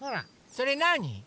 それなに？